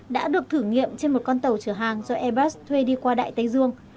đã được thử nghiệm trên một con tàu chở hàng do airbus thuê đi qua đại tây dương